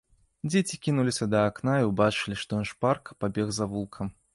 Дзеці кінуліся да акна і ўбачылі, што ён шпарка пабег завулкам.